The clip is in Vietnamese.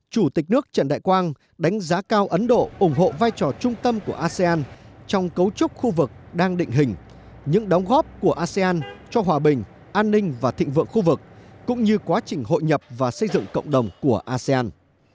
chủ tịch nước trần đại quang đánh giá cao ấn độ ủng hộ vai trò trung tâm của asean trong cấu trúc khu vực đang định hình những đóng góp của asean cho hòa bình an ninh và thịnh vượng khu vực cũng như quá trình hội nhập và xây dựng cộng đồng của asean